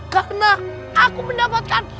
karena aku mendapatkan